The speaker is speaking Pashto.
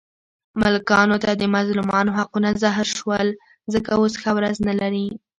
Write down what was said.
ملکانو ته د مظلومانو حقونه زهر شول، ځکه اوس ښه ورځ نه لري.